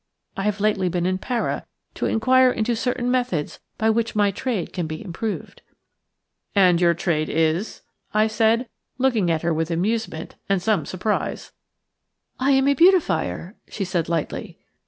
I have lately been in Para to inquire into certain methods by which my trade can be improved." "And your trade is –?" I said, looking at her with amusement and some surprise. "'I AM A BEAUTIFIER,' SHE SAID." "I am a beautifier," she said, lightly.